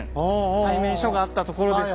対面所があったところです。